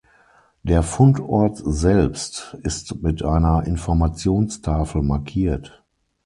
Der Fundort selbst ist mit einer Informationstafel markiert.